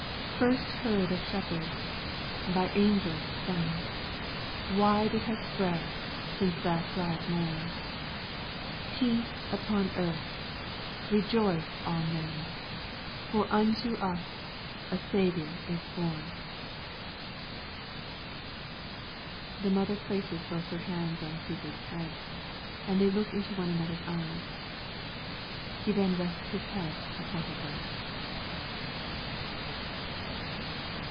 First heard of shepherds, By angels sung, Wide it has spread since that glad morn: Peace upon earth! Rejoice all men, For unto us is a Savior born. [_The mother places both her hands on Sigurd's head, and they look into one another's eyes; he then rests his head upon her breast.